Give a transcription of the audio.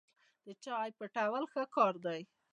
د چا عیب پټول ښه کار دی.